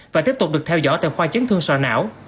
và tiếp tục được theo dõi tại khoa chấn thương sò não